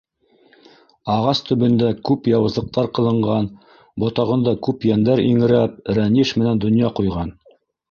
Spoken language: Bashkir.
Ағас төбөндә күп яуызлыҡтар ҡылынған, ботағында күп йәндәр иңрәп, рәнйеш менән донъя ҡуйған.